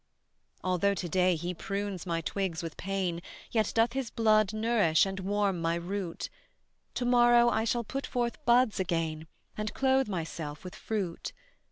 Although to day He prunes my twigs with pain, Yet doth His blood nourish and warm my root: To morrow I shall put forth buds again, And clothe myself with fruit.